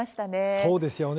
そうですよね。